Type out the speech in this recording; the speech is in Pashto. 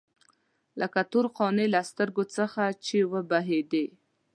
لکه د تور قانع له سترګو څخه چې وبهېدې.